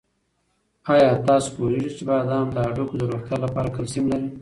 آیا تاسو پوهېږئ چې بادام د هډوکو د روغتیا لپاره کلسیم لري؟